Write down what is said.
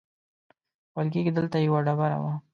ویل کېږي دلته یوه ډبره وه.